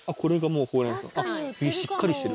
あっしっかりしてる。